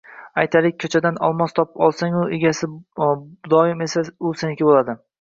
Aytaylik, ko‘chadan olmos topib olsang-u egasi boim asa, u seniki bo‘ladi.